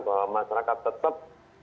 bahwa masyarakat tetap